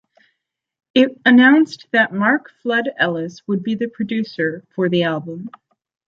It announced that Mark 'Flood' Ellis would be the producer for the album.